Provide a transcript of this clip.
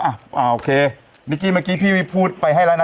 สวัสดีครับนิกกี้โอเคนิกกี้เมื่อกี้พี่พูดไปให้แล้วนะ